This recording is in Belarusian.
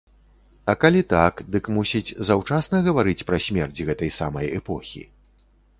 А калі так, дык, мусіць, заўчасна гаварыць пра смерць гэтай самай эпохі?